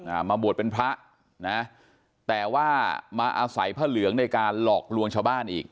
มาบวชเป็นพระนะแต่ว่ามาอาศัยพระเหลืองในการหลอกลวงชาวบ้านอีก